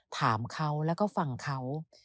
ถามเขาแล้วก็ฟังเขา